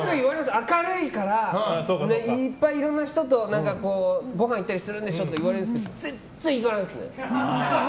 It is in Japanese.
明るいからいっぱいいろんな人とごはん行ったりするんでしょとか言われるんですけど全然、行かないですね。